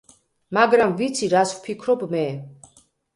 მაგრამ ვიცი რას ვფიქრობ მე.